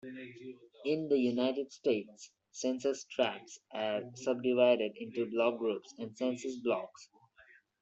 In the United States, census tracts are subdivided into block groups and census blocks.